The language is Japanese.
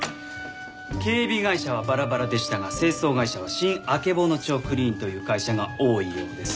警備会社はバラバラでしたが清掃会社は新曙町クリーンという会社が多いようです。